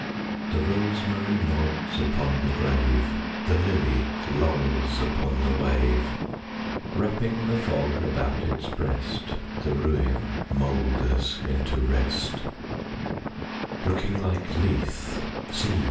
The rosemary nods upon the grave; The lily lolls upon the wave; Wrapping the fog about its breast, The ruin moulders into rest; Looking like Lethe, see!